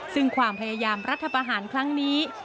ซึ่งความพยายามรัฐประหารครั้งนี้